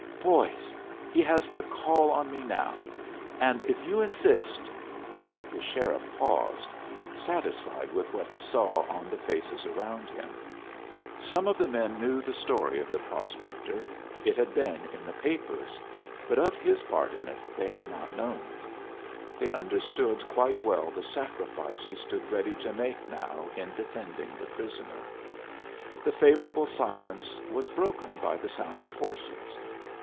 Boys! he has the call on me now; and if you insist " The sheriff paused, satisfied with what he saw on the faces around him. Some of the men knew the story of the prospector it had been in the papers but of his part in it they had not known. They understood quite well the sacrifice he stood ready to make now in defending the prisoner. The favorable silence was broken by the sound of horses.